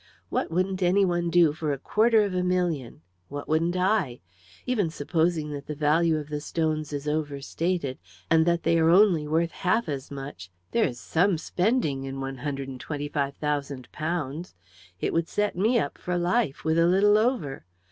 What wouldn't any one do for a quarter of a million what wouldn't I? Even supposing that the value of the stones is over stated, and that they are only worth half as much, there is some spending in £125,000. It would set me up for life, with a little over.